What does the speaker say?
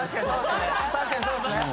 確かにそうっすね